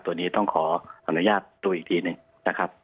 ตัวนี้ต้องขออนุญาตดูอีกทีหนึ่งนะครับ